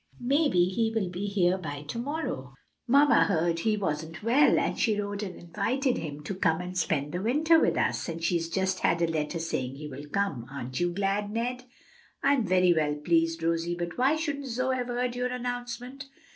Maybe he will be here by to morrow. Mamma heard he wasn't well, and she wrote and invited him to come and spend the winter with us, and she's just had a letter saying he will come. Aren't you glad, Ned?" "I'm very well pleased, Rosie, but why shouldn't Zoe have heard your announcement?"